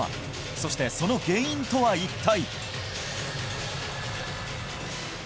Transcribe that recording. そしてその原因とは一体？